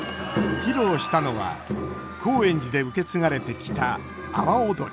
披露したのは高円寺で受け継がれてきた阿波踊り。